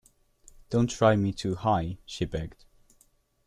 "Don't try me too high," she begged.